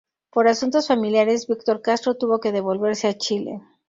Por asuntos familiares, "Víctor Castro" tuvo que devolverse a Chile.